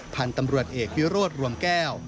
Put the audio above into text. พันธุ์ตำรวจเอกวิโรธรวมแก้ว